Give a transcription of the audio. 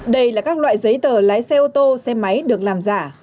đây là các loại giấy tờ lái xe ô tô xe máy được làm giả